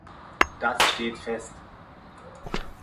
Das steht fest.